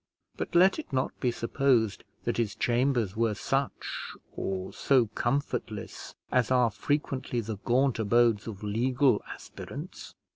But let it not be supposed that his chambers were such, or so comfortless, as are frequently the gaunt abodes of legal aspirants.